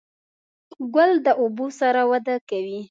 ګل د اوبو سره وده کوي.